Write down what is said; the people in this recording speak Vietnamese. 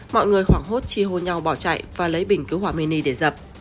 mọi người hoảng hốt chi hô nhau bỏ chạy và lấy bình cứu hỏa mini để dập